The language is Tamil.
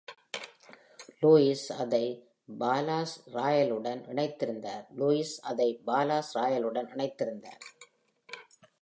லூயிஸ் அதை பாலாஸ்-ராயலுடன் இணைத்திருந்தார். லூயிஸ் அதை பாலாஸ்-ராயலுடன் இணைத்திருந்தார்.